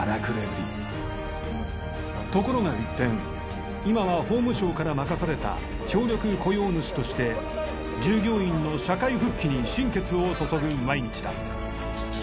ところが一転今は法務省から任された協力雇用主として従業員の社会復帰に心血を注ぐ毎日だ。